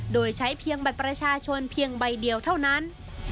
โดยใช้เพียงบัตรประชาชนเพียงใบเดียวเท่านั้น